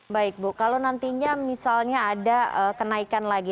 baik bu kalau nantinya misalnya ada kenaikan lagi